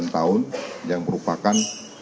empat puluh sembilan tahun yang merupakan